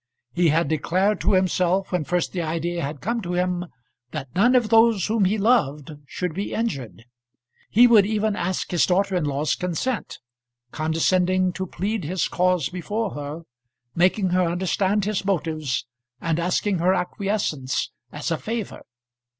He had declared to himself when first the idea had come to him, that none of those whom he loved should be injured. He would even ask his daughter in law's consent, condescending to plead his cause before her, making her understand his motives, and asking her acquiescence as a favour.